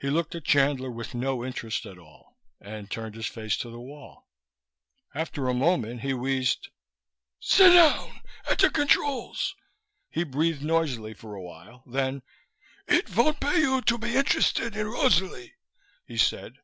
He looked at Chandler with no interest at all, and turned his face to the wall. After a moment he wheezed. "Sit down. At de controls." He breathed noisily for a while. Then, "It von't pay you to be interested in Rosalie," he said.